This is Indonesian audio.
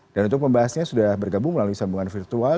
dan untuk pembahasannya sudah bergabung melalui sambungan virtual